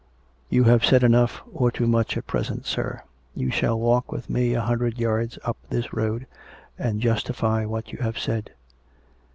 " You have said enough, or too much, at present, sir. You shall walk with me a hundred yards up this road, and justify what you have said."